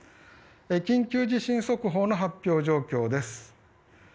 緊急地震速報の発表状況です。